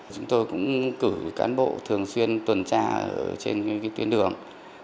chúng tôi cũng cử cán bộ thường xuyên tuần tra trên tuyến đường